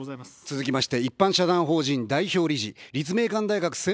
続きまして、一般社団法人代表理事、立命館大学専門研究員。